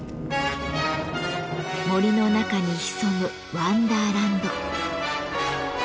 森の中に潜むワンダーランド。